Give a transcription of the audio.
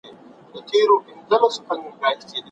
هغه د ایران له لارې فراه ته لاړ.